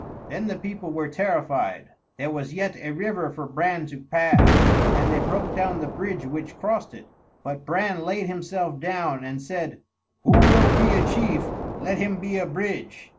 Then the people were terrified: there was yet a river for Bran to pass, and they broke down the bridge which crossed it, but Bran laid himself down and said, "Who will be a chief, let him be a bridge."